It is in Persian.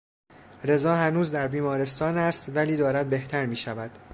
رضا هنوز در بیمارستان است ولی دارد بهتر میشود.